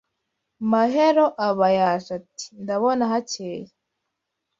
Mahero aba yaje Ati: ndabona hakeye